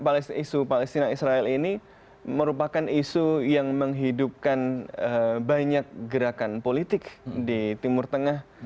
karena isu palestina israel ini merupakan isu yang menghidupkan banyak gerakan politik di timur tengah